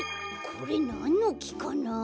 これなんのきかな？